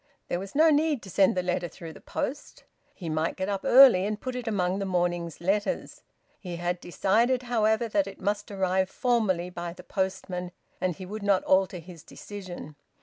There was no need to send the letter through the post. He might get up early and put it among the morning's letters. He had decided, however, that it must arrive formally by the postman, and he would not alter his decision.